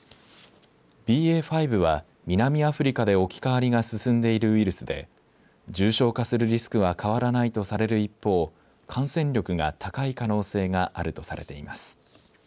ＢＡ．５は南アフリカで置き換わりが進んでいるウイルスで重症化するリスクは変わらないとされる一方感染力が高い可能性があるとされています。